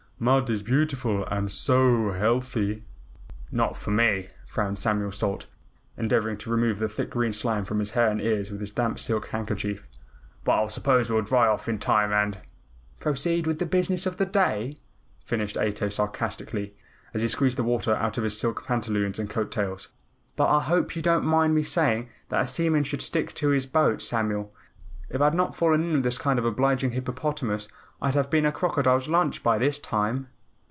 "Mud is beautiful and SO healthy." "Not for me," frowned Samuel Salt, endeavoring to remove the thick green slime from his hair and ears with his damp silk handkerchief. "But I suppose we'll dry off in time and " "Proceed with the business of the day," finished Ato sarcastically, as he squeezed the water out of his silk pantaloons and coat tails. "But I hope you don't mind my saying that a seaman should stick to his boats, Samuel. If I had not fallen in with this kind and obliging hippopotamus, I'd have been a crocodile's lunch by this time."